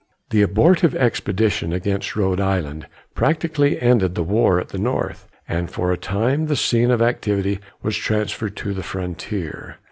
The abortive expedition against Rhode Island practically ended the war at the north, and for a time the scene of activity was transferred to the frontier.